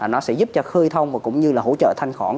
nó sẽ giúp cho khơi thông và cũng như là hỗ trợ thanh khoản